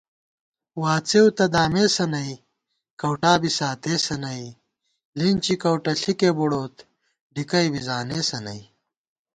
واڅېؤ تہ دامېسہ نئ گؤٹا بی ساتېسہ نئ * لِینچی کؤٹہ ݪِکے بُڑوت ڈِکَئ بی زانېسہ نئ